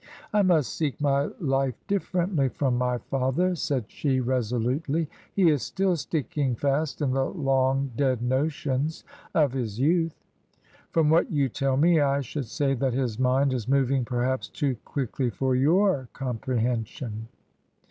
"I must seek my life differently from my father," said she, resolutely ;" he is still sticking fast in the long dead notions of his youth." " From what you tell me, I should say that his mind is moving perhaps too quickly for your comprehension."